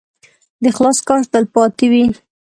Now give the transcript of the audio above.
د اخلاص کار تل پاتې وي.